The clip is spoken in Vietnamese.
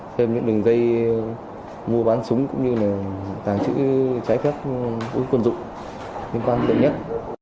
thêm những đường dây mua bán súng cũng như là tàng trữ trái phép của quân dụng liên quan đến tượng nhất